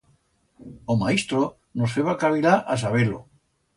O maistro nos feba cavilar a-saber-lo.